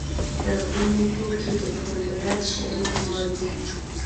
لرغوني توکي د ټول ملت شریک مال دی.